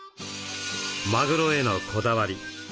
マグロへのこだわり。